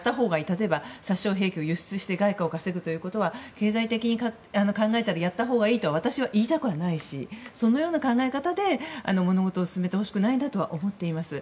例えば、殺傷兵器を輸出して外貨を稼ぐということは経済的に考えたらやったほうがいいとは私は言いたくないしそのような考え方で物事を進めてほしくないなと思います。